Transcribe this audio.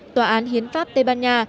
tòa án hiến pháp tây ban nha